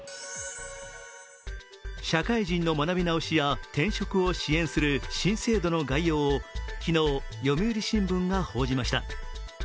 社会人の学び直しや転職を支援する新制度の概要を昨日、「読売新聞」が報じました。